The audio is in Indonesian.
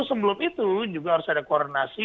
sebelum itu juga harus ada koordinasi